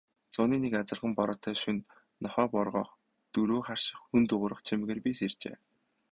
Зуны нэг азарган бороотой шөнө нохой боргоох, дөрөө харших, хүн дуугарах чимээгээр би сэржээ.